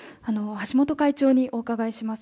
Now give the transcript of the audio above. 橋本会長にお伺いします。